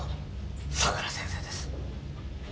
相良先生です。